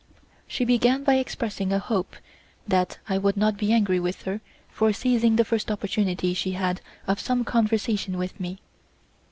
She began by expressing a hope that I would not be angry with her for seizing the first opportunity she had of some conversation with me.